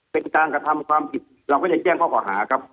เป็นการกระทำความผิดเราก็จะแจ้งข้อก่อหาครับ